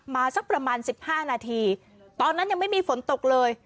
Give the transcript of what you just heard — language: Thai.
สักประมาณ๑๕นาทีตอนนั้นยังไม่มีฝนตกเลย